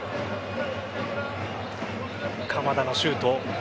鎌田のシュート。